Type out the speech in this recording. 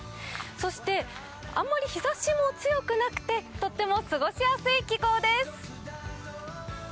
そして、あんまり日ざしも強くなくてとっても過ごしやすい気候です。